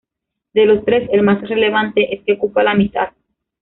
De los tres el más relevante es que ocupa la mitad.